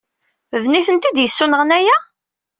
D nitni ay d-yessunɣen aya?